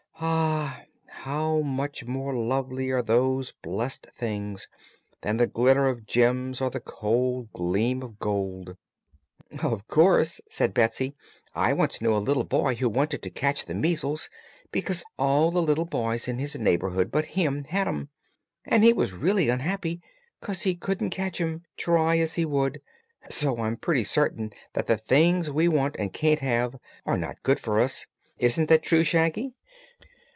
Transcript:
Ah, how much more lovely are those blessed things than the glitter of gems or the cold gleam of gold!" "Of course," said Betsy. "I once knew a little boy who wanted to catch the measles, because all the little boys in his neighborhood but him had had 'em, and he was really unhappy 'cause he couldn't catch 'em, try as he would. So I'm pretty certain that the things we want, and can't have, are not good for us. Isn't that true, Shaggy?"